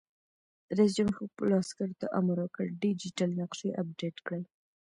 رئیس جمهور خپلو عسکرو ته امر وکړ؛ ډیجیټل نقشې اپډېټ کړئ!